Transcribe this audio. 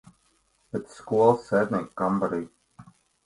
Pēc skolas sētnieka kambarī?